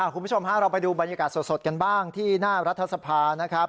คุณผู้ชมฮะเราไปดูบรรยากาศสดกันบ้างที่หน้ารัฐสภานะครับ